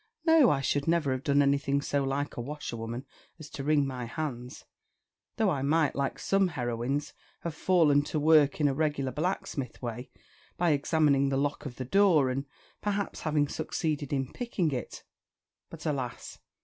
"No: I should never have done anything so like a washerwoman as to wring my hands; though I might, like some heroines, have fallen to work in a regular blacksmith way, by examining the lock of the door, and perhaps have succeeded in picking it; but, alas!